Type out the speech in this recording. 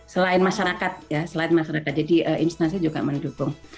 selain masyarakat ya selain masyarakat jadi instansi juga mendukung